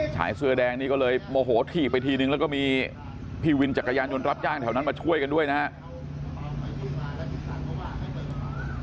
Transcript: ชายเสื้อแดงนี้ก็เลยโมโหถีบไปทีนึงแล้วก็มีพี่วินจักรยานยนต์รับจ้างแถวนั้นมาช่วยกันด้วยนะครับ